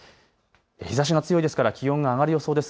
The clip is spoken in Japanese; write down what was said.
日ざしが強いですから気温が上がる予想です。